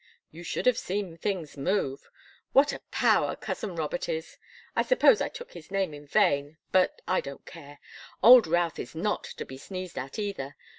You should have seen things move. What a power cousin Robert is! I suppose I took his name in vain but I don't care. Old Routh is not to be sneezed at, either.